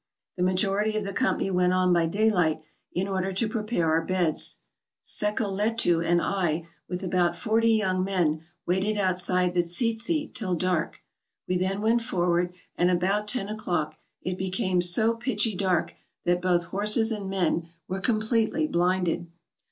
The majority of the company went on by day light, in order to prepare our beds. Sekeletu and I, with about forty young men, waited outside the tsetse till dark. We then went forward, and about ten o'clock it became so pitchy dark that both horses and men were completely blinded.